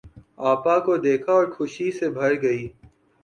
آپا کو دیکھا اور خوشی سے بھر گئی۔